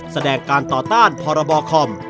แสดงการต่อต้านพรบคอม